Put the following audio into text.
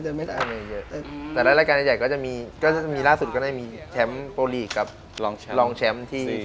จะได้เยอะแต่รายการใหญ่ก็จะมีล่าสุดก็ได้มีแชมป์โปรลีกกับรองแชมป์ที่มาเลเซีย